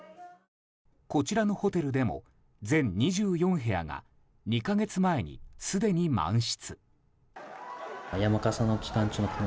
こちらのホテルでも全２４部屋が２か月前にすでに満室。